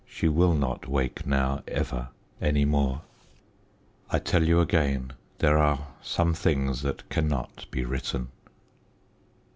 She will not wake now ever any more. I tell you again there are some things that cannot be written.